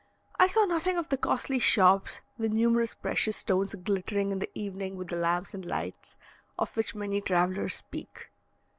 I saw nothing of the costly shops, the numerous precious stones glittering in the evening with the lamps and lights, of which many travellers speak.